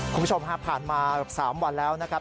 คุณผู้ชมฮะผ่านมา๓วันแล้วนะครับ